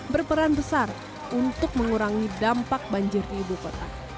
berperan besar untuk mengurangi dampak banjir di ibu kota